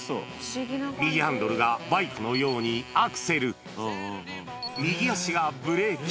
右ハンドルがバイクのようにアクセル、右足がブレーキ。